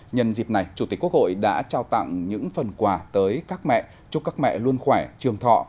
nhân dịp này chủ tịch quốc hội đã trao tặng những phần quà tới các mẹ chúc các mẹ luôn khỏe trường thọ